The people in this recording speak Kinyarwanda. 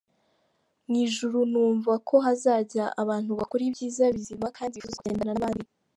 Mu ijuru numva ko hazajya abantu bakora ibyiza bizima, kandi bifuza kugendana n’abandi.”